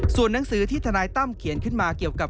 ส่วนหนังสือที่ธนายตั้มเขียนขึ้นมา